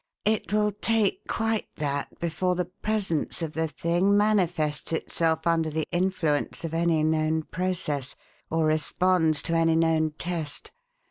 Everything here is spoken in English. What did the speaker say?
It will take quite that before the presence of the thing manifests itself under the influence of any known process or responds to any known test.